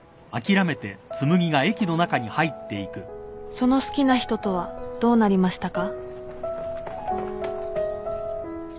その好きな人とはどうなりましたか？